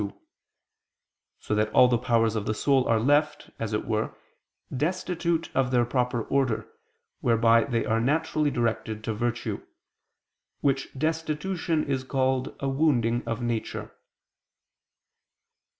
2); so that all the powers of the soul are left, as it were, destitute of their proper order, whereby they are naturally directed to virtue; which destitution is called a wounding of nature.